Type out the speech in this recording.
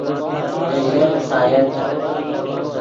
دے ژر فسایت